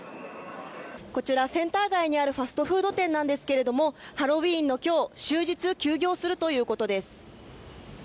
こちら、センター街にあるファストフード店なんですけれどもハロウィーンの今日、終日休業するということです。